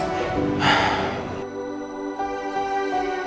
saat maria datang